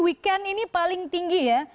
weekend ini paling tinggi ya